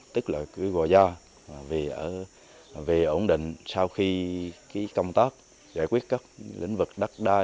tức là cái gò da về ổn định sau khi công tác giải quyết các lĩnh vực đắc đai